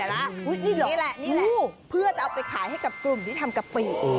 นี่แหละนี่แหละเพื่อจะเอาไปขายให้กับกลุ่มที่ทำกะปิ